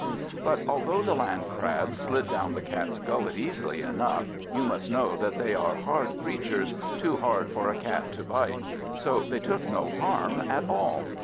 But although the Landcrabs slid down the Cat's gullet easily enough, you must know that they are hard creatures, too hard for a Cat to bite; so they took no harm at all.